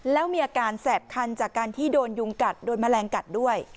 แล้วมีอาการแสบคันจากการที่โดนยุงกัดโดนแมลงกัดด้วย